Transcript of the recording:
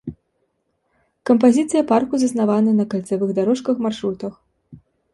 Кампазіцыя парку заснавана на кальцавых дарожках-маршрутах.